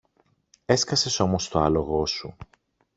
Έσκασες όμως το άλογο σου.